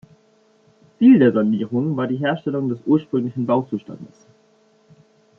Ziel der Sanierung war die Herstellung des ursprünglichen Bauzustandes.